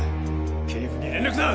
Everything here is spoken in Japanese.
警部に連絡だ！